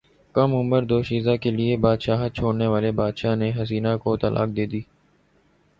کم عمر دوشیزہ کیلئے بادشاہت چھوڑنے والے بادشاہ نے حسینہ کو طلاق دیدی